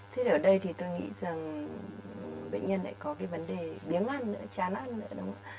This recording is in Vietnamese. thế ở đây tôi nghĩ rằng bệnh nhân lại có vấn đề biếng ăn chán ăn